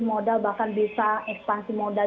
modal bahkan bisa ekspansi modal